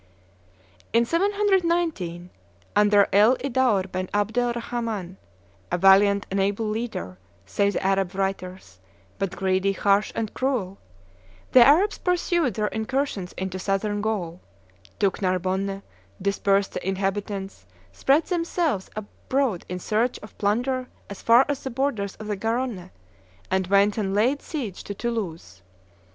(Fauriel, Histoire de la Gaule, &c., t. III., pp. 48, 67.) In 719, under El Idaur ben Abdel Rhaman, a valiant and able leader, say the Arab writers, but greedy, harsh, and cruel, the Arabs pursued their incursions into Southern Gaul, took Narbonne, dispersed the inhabitants, spread themselves abroad in search of plunder as far as the borders of the Garonne, and went and laid siege to Toulouse.